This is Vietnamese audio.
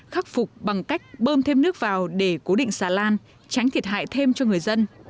khắc phục bằng cách bơm thêm nước vào để cố định xà lan tránh thiệt hại thêm cho người dân